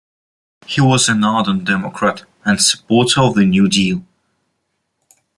He was an ardent Democrat and supporter of the New Deal.